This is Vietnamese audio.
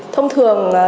thông thường là